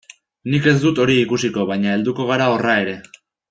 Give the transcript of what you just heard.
Nik ez dut hori ikusiko, baina helduko gara horra ere.